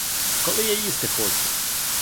Коли я їсти хочу!